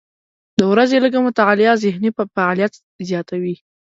د ورځې لږه مطالعه ذهني فعالیت زیاتوي.